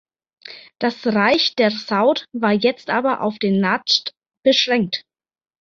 Das Reich der Saud war jetzt aber auf den Nadschd beschränkt.